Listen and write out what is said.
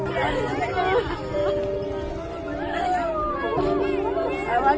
kemurahan dan kebijakan